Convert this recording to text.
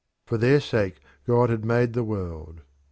For their sake God had made the world.